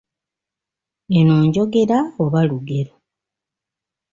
Eno njogera oba lugero?